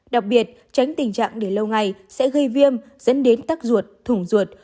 đặc biệt tránh tình trạng để lâu ngày sẽ gây viêm dẫn đến tắc ruột thủng ruột